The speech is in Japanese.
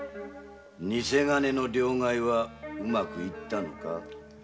ニセ金の両替はうまくいったのか？